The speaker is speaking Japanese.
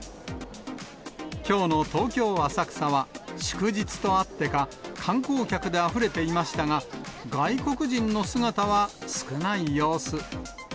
きょうの東京・浅草は、祝日とあってか、観光客であふれていましたが、外国人の姿は少ない様子。